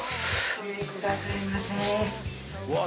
ごめんくださいませ。